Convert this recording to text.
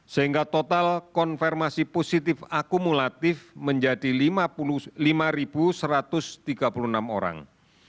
sehingga total konfirmasi positif akumulatif menjadi lima satu ratus tiga puluh enam orang